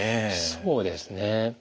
そうですね。